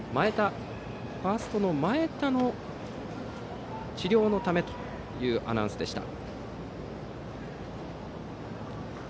ファーストの前田の治療のためというアナウンスでした。